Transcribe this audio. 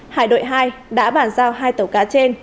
hải đội hai đã bàn giao hai tàu cá trên